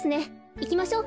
いきましょう。